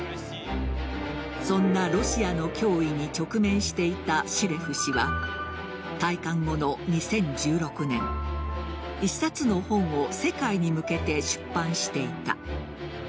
そんなロシアの脅威に直面していたシレフ氏は退官後の２０１６年１冊の本を世界に向けて出版していた。